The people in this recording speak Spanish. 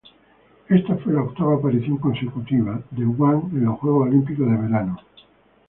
Esta fue la octava aparición consecutiva se Guam en los Juegos Olímpicos de verano.